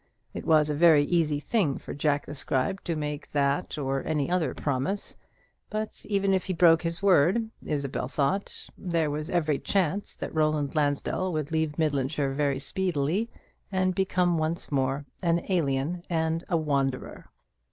It was a very easy thing for Jack the Scribe to make that or any other promise; but even if he broke his word, Isabel thought, there was every chance that Roland Lansdell would leave Midlandshire very speedily, and become once more an alien and a wanderer.